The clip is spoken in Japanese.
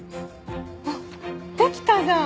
あっできたじゃん！